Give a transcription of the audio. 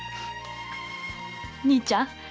兄ちゃん